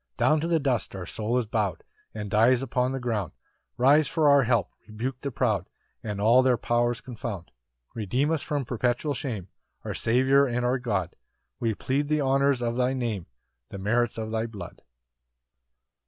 10 Down to the dust our soul is bow'd, And dies upon the ground; Rise for our help, rebuke the proud, And all their powers confound. 11 Redeem us from perpetual shame, Our Saviour and our God; We plead the honours of thy Name, The merits of thy blood.